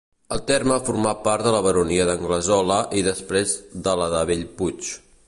El terme formà part de la baronia d'Anglesola i després de la de Bellpuig.